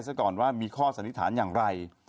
ซะก่อนว่ามีข้อสันนิษฐานอย่างไร